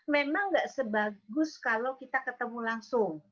memang nggak sebagus kalau kita ketemu langsung